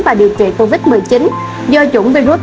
và điều trị covid một mươi chín do chủng virus